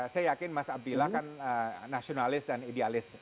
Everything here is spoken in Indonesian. saya yakin mas abdillah kan nasionalis dan idealis